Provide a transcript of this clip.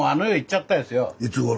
いつごろ？